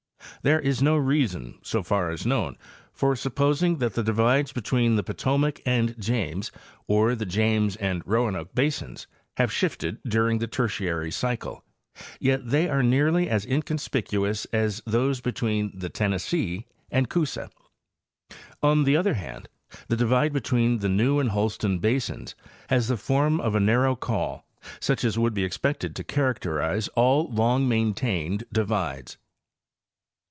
There is no reason, so far as known, for supposing that the divides between the Potomac and James or the James and Roanoke basins have shifted during the Tertiary cycle, yet they are nearly as inconspicuous as those between the Tennessee and Coosa. On the other hand, the divide between the New and Holston basins has the form of a narrow col, such as would be expected to characterize all long maintained divides.